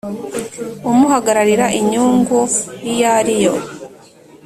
umuhagararira inyungu iyo ari yo